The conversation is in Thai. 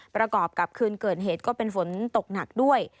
ประกอบกับคืนเกิดเหตุก็เป็นฝนตกหนักด้วย